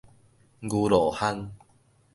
牛路巷